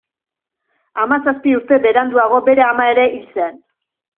Hamazazpi urte beranduago bere ama ere hil zen.